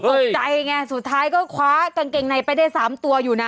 ตกใจไงสุดท้ายก็คว้ากางเกงในไปได้๓ตัวอยู่นะ